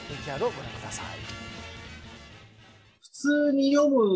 ＶＴＲご覧ください。